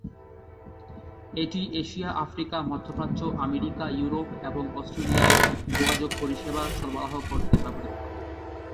এটি Asia, Africa, মধ্য প্রাচ্য, আমেরিকা, ইউরোপ এবং অস্ট্রেলিয়ায় যোগাযোগ পরিষেবা সরবরাহ করতে ব্যবহৃত হতো।